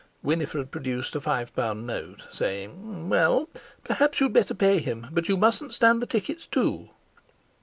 Winifred produced a five pound note, saying: "Well, perhaps you'd better pay him, but you mustn't stand the tickets too."